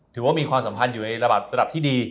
ถือว่ามีความสัมพันธ์อยู่ในระดับระดับที่ดี